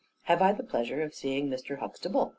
"Have I the pleasure of seeing Mr. Huxtable?"